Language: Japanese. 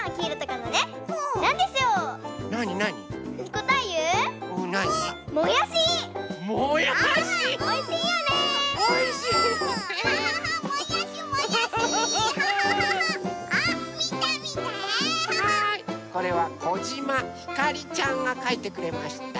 これはこじまひかりちゃんがかいてくれました。